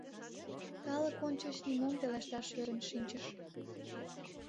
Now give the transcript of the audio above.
Калык ончыч нимом пелешташ ӧрын шинчыш.